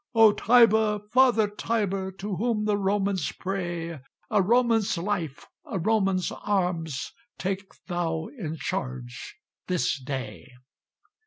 "O Tiber! father Tiber! To whom the Romans pray, A Roman's life, a Roman's arms Take thou in charge this day!"